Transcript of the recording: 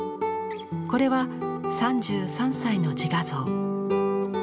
これは３３歳の自画像。